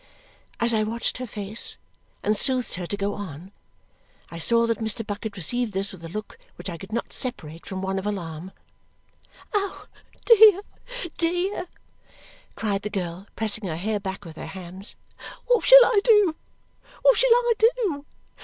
As I watched her face and soothed her to go on, I saw that Mr. Bucket received this with a look which I could not separate from one of alarm. "Oh, dear, dear!" cried the girl, pressing her hair back with her hands. "What shall I do, what shall I do!